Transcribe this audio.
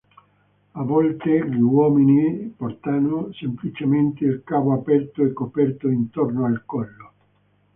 A volte, gli uomini portano semplicemente il cavo aperto e coperto intorno al collo.